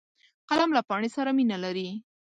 قلم له پاڼې سره مینه لري